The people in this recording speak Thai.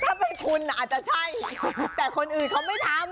ถ้าเป็นคุณอาจจะใช่แต่คนอื่นเขาไม่ทำ